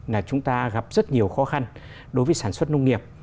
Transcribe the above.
là chúng ta gặp rất nhiều khó khăn đối với sản xuất nông nghiệp